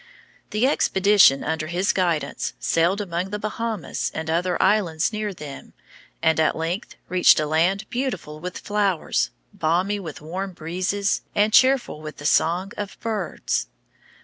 The expedition under his guidance sailed among the Bahamas and other islands near them, and at length reached a land beautiful with flowers, balmy with warm breezes, and cheerful with the song of birds.